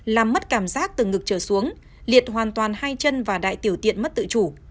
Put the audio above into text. làm mất cảm giác từ ngực trở xuống liệt hoàn toàn hai chân và đại tiểu tiện mất tự chủ